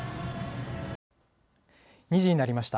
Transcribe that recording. ２時になりました。